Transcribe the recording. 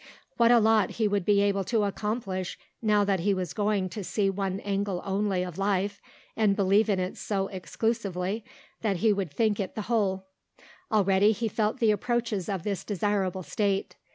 What a lot he would be able to accomplish, now that he was going to see one angle only of life and believe in it so exclusively that he would think it the whole. Already he felt the approaches of this desirable state.